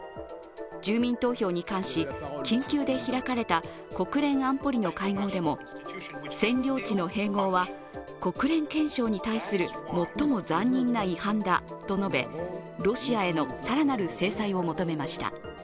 住民投票に関し緊急で開かれた国連安保理の会合でも占領地の併合は国連憲章に対する最も残忍な違反だと述べロシアへの更なる制裁を求めました。